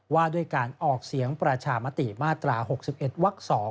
ว่าด้วยการออกเสียงประชามติมาตรา๖๑วัก๒